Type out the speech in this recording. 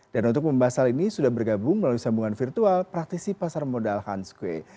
dan untuk pembahas hal ini sudah bergabung melalui sambungan virtual praktisi pasar modal hans kueh